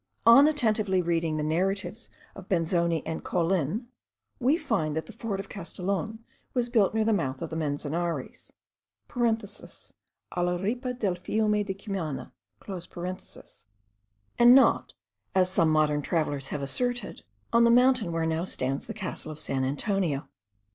On attentively reading the narratives of Benzoni and Caulin, we find that the fort of Castellon was built near the mouth of the Manzanares (alla ripa del fiume de Cumana); and not, as some modern travellers have asserted, on the mountain where now stands the castle of San Antonio.)